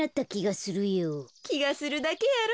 きがするだけやろ。